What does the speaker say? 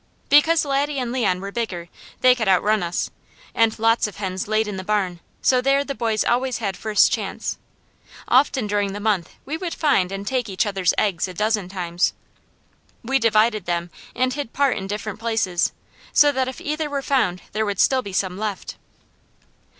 Because Laddie and Leon were bigger they could outrun us, and lots of hens laid in the barn, so there the boys always had first chance. Often during the month we would find and take each other's eggs a dozen times. We divided them, and hid part in different places, so that if either were found there would still be some left.